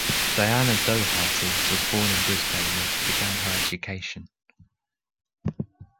Diana Doherty was born in Brisbane, where she began her education.